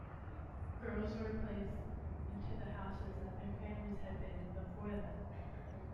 Girls were placed into the houses that their families had been in before them.